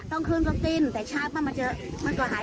ต้องขึ้นอะต้องขึ้นก็ตินแต่ช้าตั้งก็ไม่เจอ